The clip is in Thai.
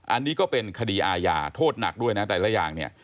อันนี้ก็เป็นคดีอาญาโทษหนักด้วยนะแต่ละอย่างเนี่ย